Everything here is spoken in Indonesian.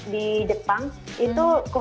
jadi yang benar benar cuman